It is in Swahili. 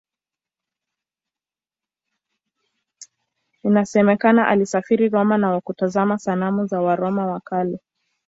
Inasemekana alisafiri Roma na kutazama sanamu za Waroma wa Kale.